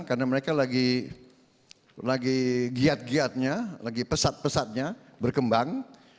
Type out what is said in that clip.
karena mereka lagi giat giatnya lagi pesat pesatnya berkembang